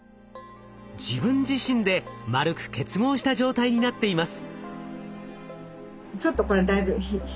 自分自身で丸く結合した状態になっています。